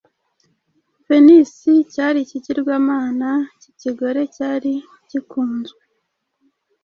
Venisi cyari ikigirwamana cy’ikigore cyari gikunzwe